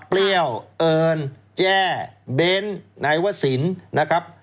เปรี้ยวเอิญแจ้เบนไหนว่าศิลป์